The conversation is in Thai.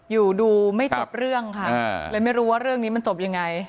อยู่ดูไม่จบเรื่องค่ะเลยไม่รู้ว่าเรื่องนี้มันจบยังไง